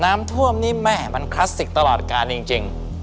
น้ำท่วมนี่แม่มันคลาสสิกตลอดการจริง